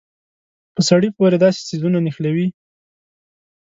په سړي پورې داسې څيزونه نښلوي.